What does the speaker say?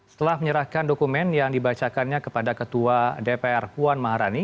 setelah menyerahkan dokumen yang dibacakannya kepada ketua dpr puan maharani